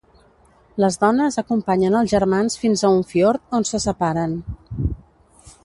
Les dones acompanyen als germans fins a un fiord, on se separen.